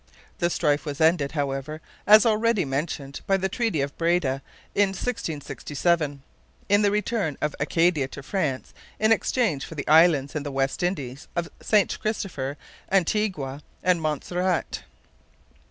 The strife was ended, however, as already mentioned, by the Treaty of Breda in 1667, in the return of Acadia to France in exchange for the islands in the West Indies of St Christopher, Antigua, and Montserrat.